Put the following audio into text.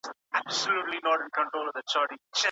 ولي زیارکښ کس د ذهین سړي په پرتله ښه ځلېږي؟